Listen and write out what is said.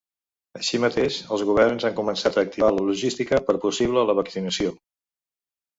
Així mateix, els governs han començat a activar la logística per possible la vaccinació.